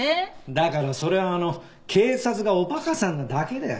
だからそれはあの警察がお馬鹿さんなだけで。